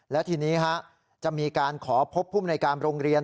และทีนี้จะมีการขอพบภูมิในการโรงเรียน